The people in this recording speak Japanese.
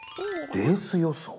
レース予想。